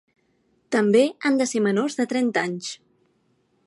També han de ser menors de trenta anys.